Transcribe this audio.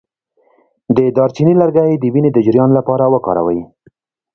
د دارچینی لرګی د وینې د جریان لپاره وکاروئ